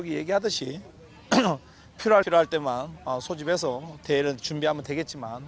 kita harus mengambil teman teman yang diperlukan untuk menyiapkan pertempuran